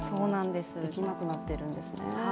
できなくなっているんですね。